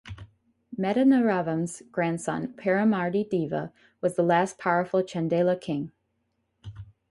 Madanavarman's grandson Paramardi-deva was the last powerful Chandela king.